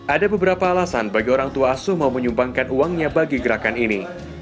ada beberapa alasan bagi orang tua asuh mau menyumbangkan uangnya bagi gerakan ini